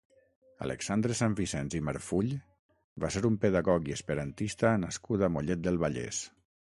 Alexandre Sanvisens i Marfull va ser un pedagog i esperantista nascut a Mollet del Vallès.